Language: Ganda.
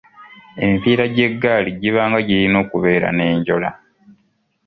Emipiira gy’eggaali gibanga girina okubeera n'enjola.